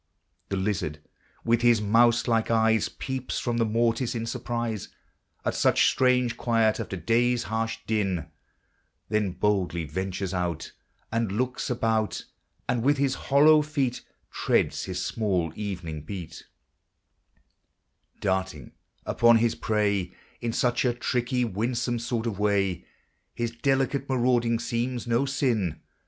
The lizard, with his mouse like eyes. LABOR AXD REST. 137 Peeps from the mortise in surprise At such strange quiet after day's harsh din ; Then boldly ventures out, And looks about, And with his hollow feet Treads his small evening heat, Darting upon his prey In such a tricky, winsome sort of way, His delicate marauding seems no sin.